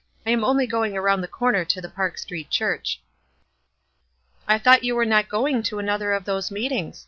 I am only going around the corner to the Park Street Church." " I thought vou were not sroins: to another of those meetings?"